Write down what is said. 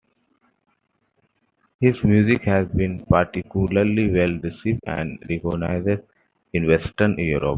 His music has been particularly well received and recognised in Western Europe.